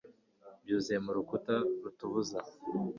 Binyuze mu rukuta rutubuza